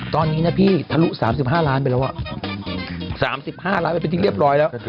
ตอนนี้นะพี่ทะลุสามสิบห้าล้านเป็นแล้วอ่ะสามสิบห้าล้านเป็นที่เรียบร้อยแล้ว